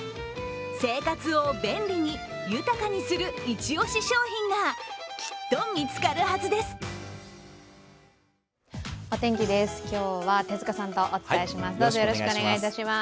生活を便利に豊かにするイチオシ商品がきっと見つかるはずです。